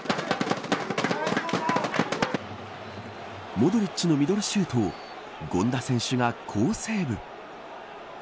モドリッチのミドルシュートを権田選手が好セーブ。